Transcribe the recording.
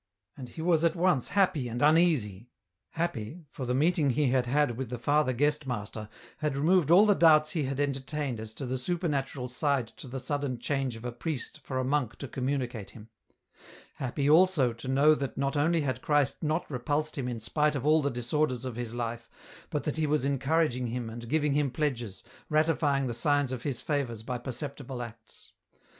And he was at once happy and uneasy ; happy, for the meeting he had had with the father guest master, had removed all the doubts he had entertained as to the supernatural side to the sudden change of a priest for a monk to communicate him ; happy, also, to know that not only had Christ not repulsed him in spite of all the disorders of his life, but that He was encouraging him and giving him pledges, ratifying the signs of His favours by perceptible acts.